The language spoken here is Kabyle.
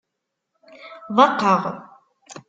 Ḍaqeɣ!